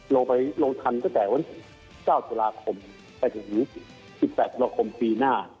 เราไปลงทันตั้งแต่วัน๙ศูนาคมไปถึง๑๘ศูนาคมปีหน้า